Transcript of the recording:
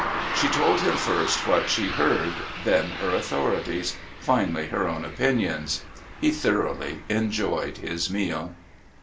She told him first what she heard, then her authorities, finally her own opinions. He thoroughly enjoyed his meal.